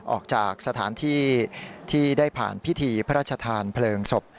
ออกจากสถานที่ที่ได้ผ่านพิธีพระราชทานเพลิงศพ